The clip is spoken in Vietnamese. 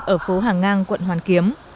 ở phố hàng ngang quận hoàn kiếm